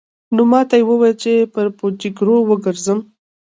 نو ماته يې وويل چې پر پوجيگرو وگرځم.